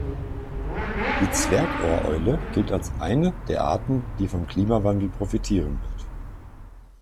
Die Zwergohreule gilt als eine der Arten, die vom Klimawandel profitieren wird.